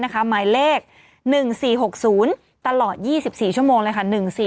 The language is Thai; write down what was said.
หมายเลข๑๔๖๐ตลอด๒๔ชั่วโมงเลยค่ะ